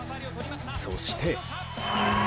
そして。